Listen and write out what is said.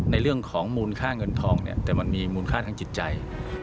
ในเรื่องของมูลค่าเงินทองเนี่ยแต่มันมีมูลค่าทางจิตใจ